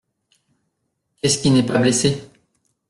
Qu’est-ce qui n’est pas blessé ?…